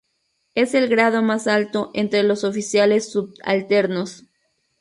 Es el grado más alto entre los oficiales subalternos.